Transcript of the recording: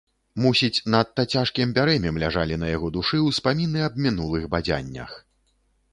Мусіць, надта цяжкім бярэмем ляжалі на яго душы ўспаміны аб мінулых бадзяннях.